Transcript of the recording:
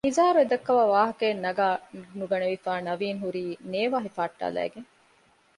ނިޒާރު އެދައްކާ ވާހަކައެއް ނަގާ ނުގަނެވިފައި ނަވީން ހުރީ ނޭވާ ހިފަހައްޓާލައިގެން